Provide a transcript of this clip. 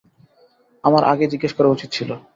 আমার আগেই জিজ্ঞেস করা উচিত ছিল।